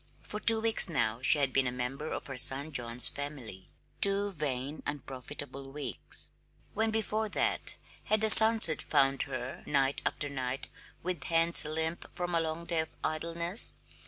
For two weeks, now, she had been a member of her son John's family two vain, unprofitable weeks. When before that had the sunset found her night after night with hands limp from a long day of idleness?